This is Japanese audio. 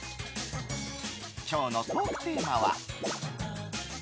今日のトークテーマは。